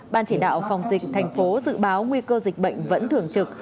ban chỉ đạo phòng dịch thành phố dự báo nguy cơ dịch bệnh vẫn thường trực